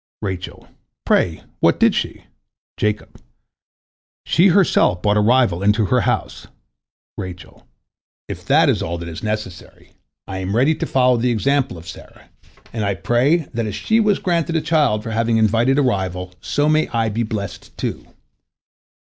Rachel: "Pray, what did she?" Jacob: "She herself brought a rival into her house." Rachel: "If that is all that is necessary, I am ready to follow the example of Sarah, and I pray that as she was granted a child for having invited a rival, so may I be blessed, too."